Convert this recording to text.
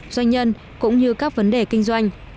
doanh nhân cũng như các vấn đề kinh doanh